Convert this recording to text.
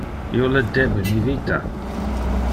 Io le debe mi vita.